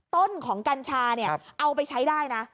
ต้นของกัญชาเอาไปใช้ได้นะ